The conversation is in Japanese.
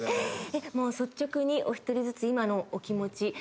もう率直にお一人ずつ今のお気持ち。